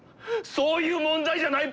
そういう問題じゃない！